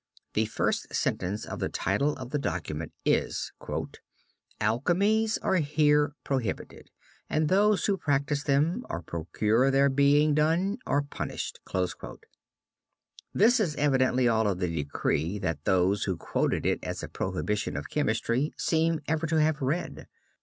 The first sentence of the title of the document is: "Alchemies are here prohibited and those who practise them or procure their being done are punished." This is evidently all of the decree that those who quoted it as a prohibition of chemistry seem ever to have read.